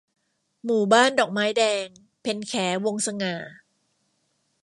หมู่บ้านดอกไม้แดง - เพ็ญแข วงศ์สง่า